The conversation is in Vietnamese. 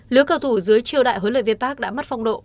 lứa cầu thủ dưới triều đại huấn luyện viên park đã mất phong độ